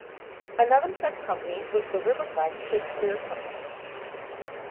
Another such company was the Riverside Shakespeare Company.